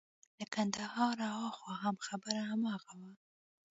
له کندهاره هاخوا هم خبره هماغه وه.